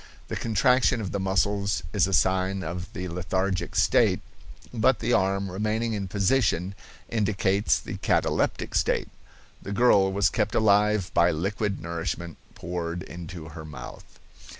The contraction of the muscles is a sign of the lethargic state, but the arm, remaining in position, indicates the cataleptic state. The girl was kept alive by liquid nourishment poured into her mouth.